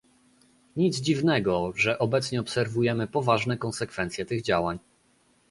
Nic dziwnego, że obecnie obserwujemy poważne konsekwencje tych działań